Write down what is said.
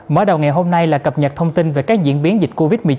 mở đầu ngày hôm nay là cập nhật thông tin về các diễn biến dịch covid một mươi chín